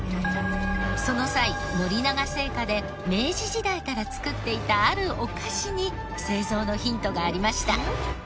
その際森永製菓で明治時代から作っていたあるお菓子に製造のヒントがありました。